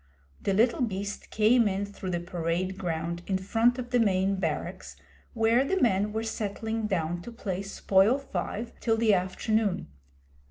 The little beast came in through the parade ground in front of the main barracks, where the men were settling down to play Spoil five till the afternoon.